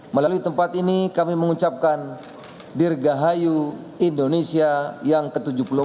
melalui tempat ini kami mengucapkan dirgahayu indonesia yang ke tujuh puluh empat